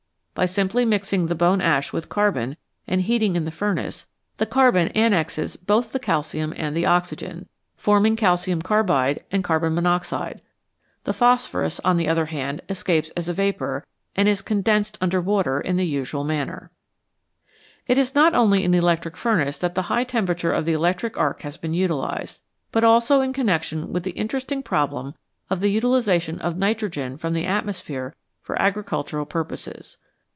By simply mixing the bone ash with carbon and heating in the furnace, the carbon annexes both the calcium and the oxygen, 201 HIGH TEMPERATURES forming calcium carbide and carbon monoxide; the phosphorus, on the other hand, escapes as a vapour, and is condensed under water in the usual manner. It is not only in the electric furnace that the high temperature of the electric arc has been utilised, but also in connection with the interesting problem of the utilisa tion of nitrogen from the atmosphere for agricultural purposes.